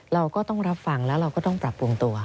เราก็ต้องรับฟังแล้วเราก็ต้องปรับปรุงตัว